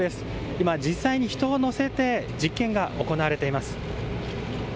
今、実際に人を乗せて実験が行われています。